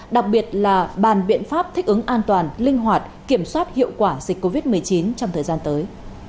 đặc biệt là bàn biện pháp thích ứng an toàn linh hoạt kiểm soát hiệu quả dịch covid một mươi chín trong thời gian tới